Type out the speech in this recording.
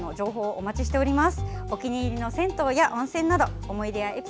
お待ちしております。